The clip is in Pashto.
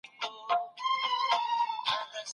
پر څوکۍ باندې يو کتاب پاته دی.